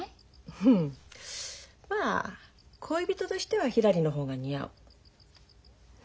ふんまあ恋人としてはひらりの方が似合う。